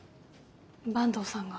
坂東さんが？